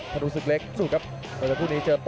กระโดยสิ้งเล็กนี่ออกกันขาสันเหมือนกันครับ